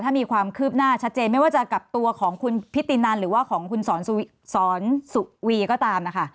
ถ้ามีความคืบหน้าชัดเจนไม่ว่าจะกับตัวของคุณพิตินันหรือว่าของคุณสอนสุวีก็ตามนะคะ